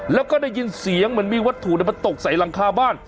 แล้วก็ได้ยินเสียงเหมือนมีวัตถุมันตกใส่หลังคาบ้าน